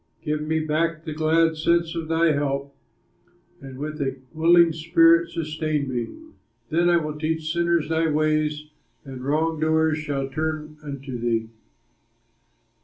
Give me back the glad sense of thy help, And with a willing spirit sustain me. Then I will teach sinners thy ways, And wrong doers shall turn unto thee.